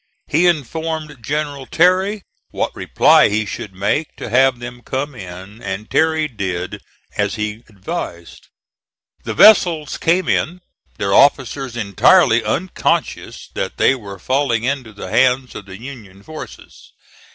He informed General Terry what reply he should make to have them come in, and Terry did as he advised. The vessels came in, their officers entirely unconscious that they were falling into the hands of the Union forces.